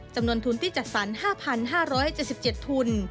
จำนวนทุนที่จัดสรร๕๕๗๗ทุน